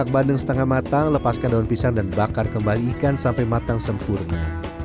empat bandeng setengah matang lepaskan daun pisang dan bakar kembali ikan sampai matang sempurna